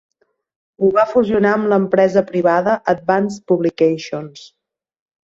Ho va fusionar amb l'empresa privada Advance Publications.